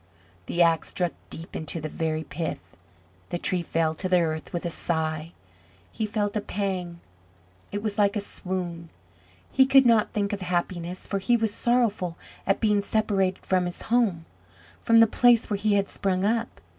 The axe struck deep into the very pith; the tree fell to the earth with a sigh: he felt a pang it was like a swoon; he could not think of happiness, for he was sorrowful at being separated from his home, from the place where he had sprung up.